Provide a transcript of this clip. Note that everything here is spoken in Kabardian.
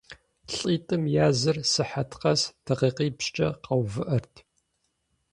ЛӀитӀым языр сыхьэт къэс дакъикъипщӀкӀэ къэувыӀэрт.